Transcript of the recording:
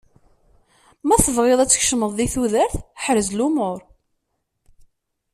Ma tebɣiḍ ad tkecmeḍ di tudert, ḥrez lumuṛ.